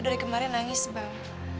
dari kemarin nangis bang